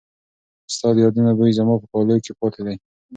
ستا د یادونو بوی زما په کالو کې پاتې دی.